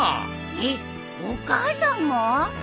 えっお母さんも？